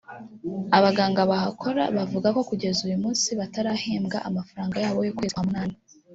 Abaganga bahakora bavuga ko kugeza uyu munsi batarahembwa amafaranga yabo y’ukwezi kwa munani